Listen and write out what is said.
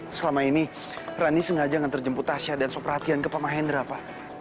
selama ini randi sengaja nganter jemput tasya dan sopratian ke pak mahendra pak